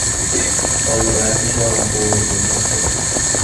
Pallo räjähti suoraan puuhirviön kasvoille.